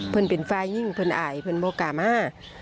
เพื่อนเป็นฝ่ายยิ่งเพื่อนอ่ายเพื่อนโปรกรรมฮะ